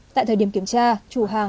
tại thời điểm kiểm tra chủ hàng